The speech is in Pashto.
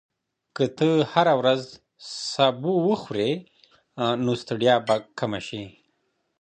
که ته هره ورځ سبو وخورې، نو ستړیا به کمه شي.